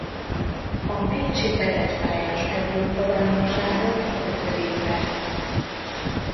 A bécsi fedett pályás Európa-bajnokságon ötödik lett.